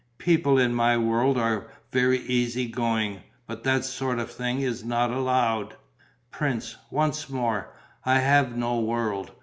People in my world are very easy going. But that sort of thing is not allowed!" "Prince, once more, I have no world.